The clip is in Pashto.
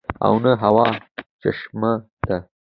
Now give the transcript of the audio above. او نه اۤهو چشمه ده